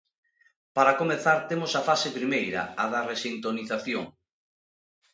Para comezar, temos a fase primeira a da resintonización.